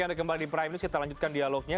pertama sekali di primelist kita lanjutkan dialognya